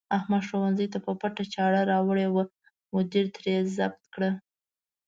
احمد ښوونځي ته په پټه چاړه راوړې وه، مدیر ترې ضبط کړه.